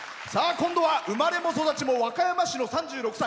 今度は生まれも育ちも和歌山市の３６歳。